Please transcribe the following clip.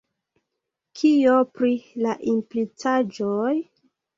Kio pri la implicaĵoj?